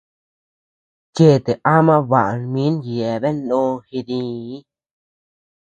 Chete ama baʼa min yeabean noʼò jidii.